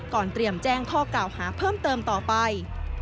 เตรียมแจ้งข้อกล่าวหาเพิ่มเติมต่อไป